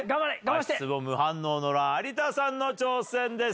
足つぼ無反応の乱有田さんの挑戦です。